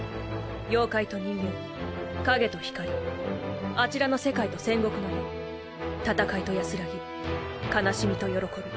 妖怪と人間影と光あちらの世界と戦国の世戦いと安らぎ悲しみと喜び